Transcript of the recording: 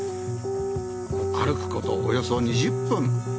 歩くことおよそ２０分。